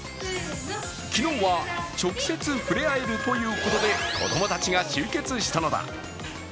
昨日は直接ふれあえるということで子供たちが集結したのだ。